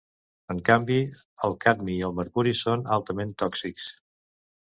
En canvi, el cadmi i el mercuri són altament tòxics.